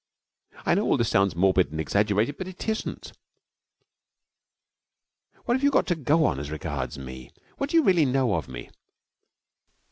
I know all this sounds morbid and exaggerated, but it isn't. What have you got to go on, as regards me? What do you really know of me?